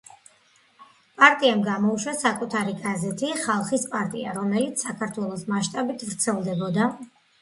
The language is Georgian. პარტიამ გამოუშვა საკუთარი გაზეთი „ხალხის პარტია“, რომელიც საქართველოს მასშტაბით ვრცელდებოდა.